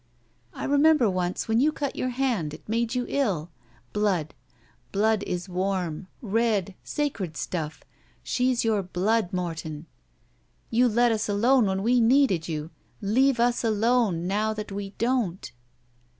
I remember once when you cut your hand it made you ill. Blood! Blood is warm. Red. Sacred stuflF. She's your blood, Morton. You let us alone when we needed you. Leave us alone, now that we don't!"